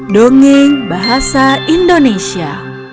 dongeng bahasa indonesia